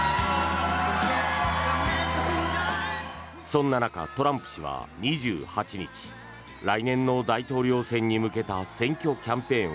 そんな中、トランプ氏は２８日来年の大統領選に向けた選挙キャンペーンを